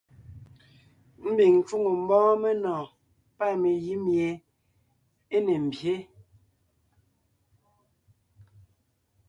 Ḿbiŋ ńcwoŋo ḿbɔ́ɔn menɔ̀ɔn pâ megǐ míe é ne ḿbyé.